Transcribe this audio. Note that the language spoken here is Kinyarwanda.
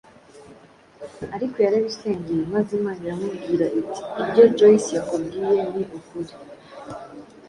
Ariko yarabisengeye maze Imana iramubwira iti “Ibyo Joyce yakubwiye ni ukuri,